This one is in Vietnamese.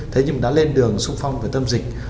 thấy như đã lên đường xung phong về tâm dịch